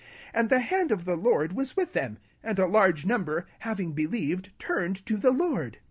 21 And the hand of the Lord was with them: and a great number believed, and turned to the Lord.